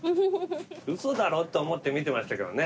嘘だろと思って見てましたけどね。